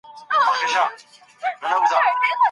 د هر ډول بدو عواقبو څخه مخنيوی کيږي.